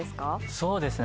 そうですね